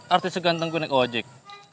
artis seganteng gua naik ojek